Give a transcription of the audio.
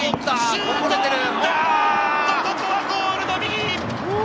ここはゴールの右！